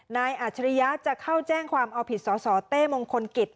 อาจริยะจะเข้าแจ้งความเอาผิดสสเต้มงคลกิจ